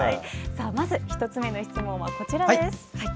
まず１つ目の質問は、こちらです。